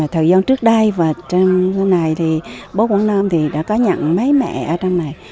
thời gian trước đây bố quảng nam đã có nhận mấy mẹ ở trong này